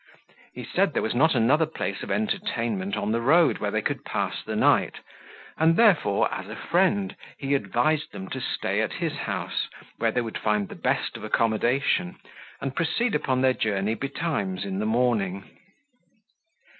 He said there was not another place of entertainment on the road where they could pass the night; and therefore, as a friend, he advised them to stay at his house, where they would find the best of accommodation, and proceed upon their journey betimes in the morning.